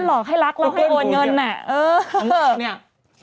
หลอกให้รักลองให้โอนเงินเนี้ย